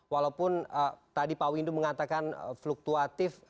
walaupun tadi pak windu mengatakan fluktuatif